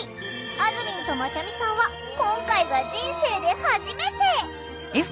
あずみんとまちゃみさんは今回が人生で初めて！